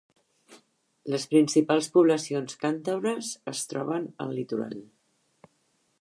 Les principals poblacions càntabres es troben al litoral.